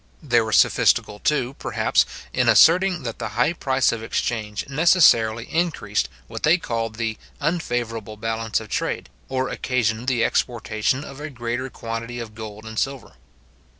They were sophistical, too, perhaps, in asserting that the high price of exchange necessarily increased what they called the unfavourable balance of trade, or occasioned the exportation of a greater quantity of gold and silver.